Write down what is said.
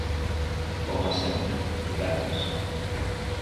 Coma sempre: grazas.